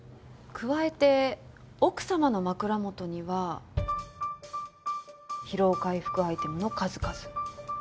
加えて奥様の枕元には疲労回復アイテムの数々。